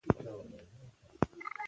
هغوی تل د خپلواکۍ او ازادۍ مينه وال وو.